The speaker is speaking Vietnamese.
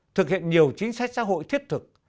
thực hiện nhiều chính sách xã hội thiết thực